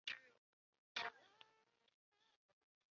梅日寺毁于民主改革及其后的文化大革命期间。